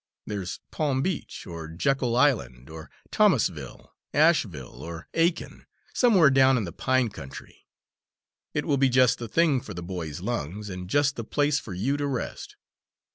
There's Palm Beach, or Jekyll Island, or Thomasville, Asheville, or Aiken somewhere down in the pine country. It will be just the thing for the boy's lungs, and just the place for you to rest.